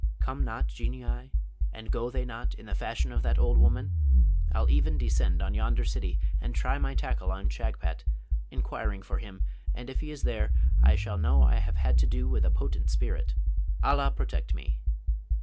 come not Genii, and go they not, in the fashion of that old woman? I'll even descend on yonder city, and try my tackle on Shagpat, inquiring for him, and if he is there, I shall know I have had to do with a potent spirit. Allah protect me!'